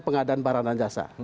pengadaan barang dan jasa